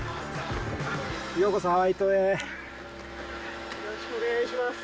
よろしくお願いします。